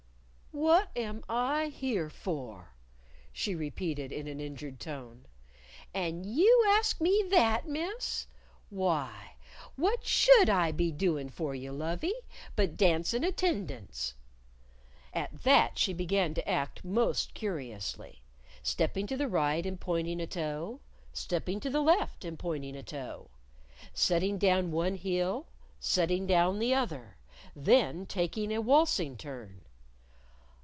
"What am I here for!" she repeated in an injured tone. "And you ask me that, Miss? Why, what should I be doin' for you, lovie, but dancin' attendance." At that, she began to act most curiously, stepping to the right and pointing a toe, stepping to the left and pointing a toe; setting down one heel, setting down the other; then taking a waltzing turn.